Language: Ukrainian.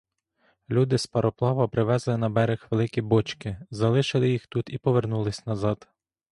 Люди з пароплава привезли на берег великі бочки, залишили їх тут і повернулись назад.